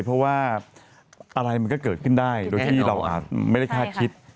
เพราะว่าอะไรมันก็เกิดขึ้นได้โดยที่เราอาจไม่ได้คาดคิด